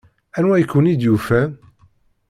Anwa i ken-id-yufan?